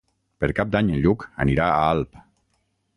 Per Cap d'Any en Lluc anirà a Alp.